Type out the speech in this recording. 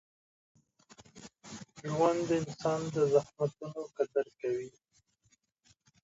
ژوند د انسان د زحمتونو قدر کوي.